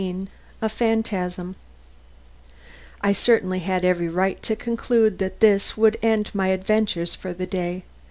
XV A PHANTASM I certainly had every right to conclude that this would end my adventures for the day.